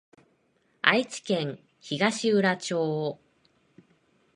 愛知県東浦町